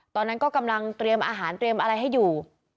ตอนนั้นก็กำลังเตรียมอาหารเตรียมอะไรให้อยู่